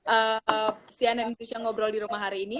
untuk si cnn indonesia ngobrol di rumah hari ini